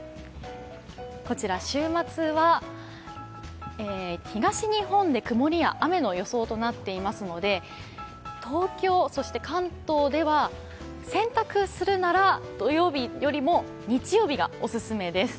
こちら週末は東日本で曇りや雨の予想となっていますので東京、そして関東では洗濯するなら土曜日よりも日曜日がお勧めです。